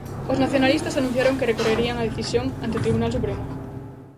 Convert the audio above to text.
Os nacionalistas anunciaron que recorrerían a decisión ante o Tribunal Supremo.